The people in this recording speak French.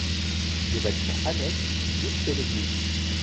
Des bâtiments annexes jouxtent l'église.